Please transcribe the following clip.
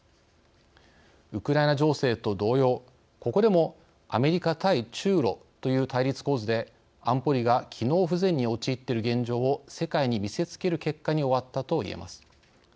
ウクライナ情勢と同様、ここでもアメリカ対中ロという対立構図で安保理が機能不全に陥っている現状を世界に見せつける結果に終わったといえます。